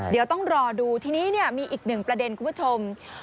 เดี๋ยวต้องรอดูทีนี้มีอีกหนึ่งประเด็นคุณผู้ชม